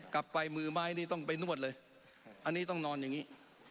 กลับไปมือไม้นี่ต้องไปนวดเลยอันนี้ต้องนอนอย่างนี้